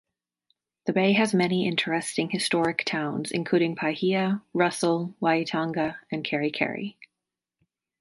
The bay has many interesting historic towns including Paihia, Russell, Waitangi and Kerikeri.